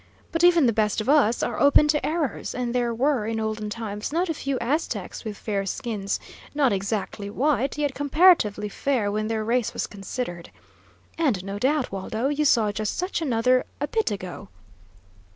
"But even the best of us are open to errors, and there were in olden times not a few Aztecs with fair skins; not exactly white, yet comparatively fair when their race was considered. And, no doubt, Waldo, you saw just such another a bit ago."